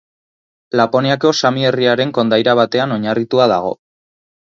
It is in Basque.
Laponiako sami herriaren kondaira batean oinarritua dago.